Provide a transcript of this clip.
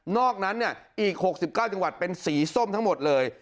อกนั้นอีก๖๙จังหวัดเป็นสีส้มทั้งหมดเลย